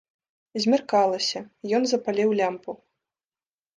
Змяркалася, ён запаліў лямпу.